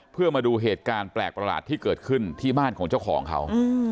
เพื่อมาดูเหตุการณ์แปลกประหลาดที่เกิดขึ้นที่บ้านของเจ้าของเขา